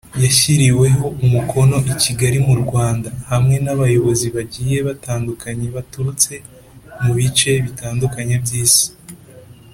yashyiriweho umukono i Kigali mu Rwanda, hamwe nabayobozi bagiye batandukanye baturutse mu bice bitandukanye by’isi.